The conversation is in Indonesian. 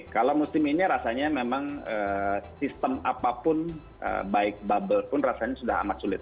kalau musim ini rasanya memang sistem apapun baik bubble pun rasanya sudah amat sulit